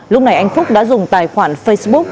lúc này anh phúc đã dùng tài khoản facebook